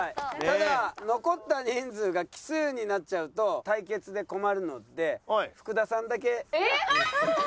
ただ残った人数が奇数になっちゃうと対決で困るので福田さんだけ。えっ！